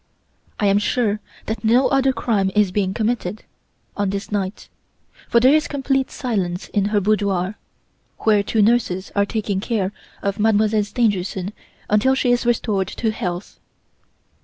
"I am sure that no other crime is being committed, on this night; for there is complete silence in the boudoir, where two nurses are taking care of Mademoiselle Stangerson until she is restored to health.